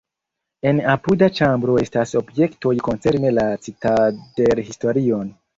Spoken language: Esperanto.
En apuda ĉambro estas objektoj koncerne la citadelhistorion.